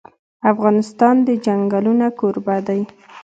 افغانستان د چنګلونه کوربه دی.